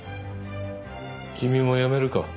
君もやめるか？